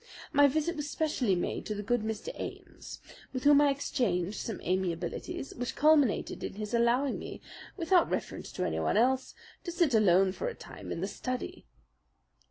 My visit was specially made to the good Mr. Ames, with whom I exchanged some amiabilities, which culminated in his allowing me, without reference to anyone else, to sit alone for a time in the study."